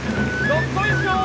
どっこいしょー